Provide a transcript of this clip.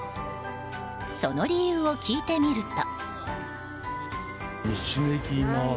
その理由を聞いてみると。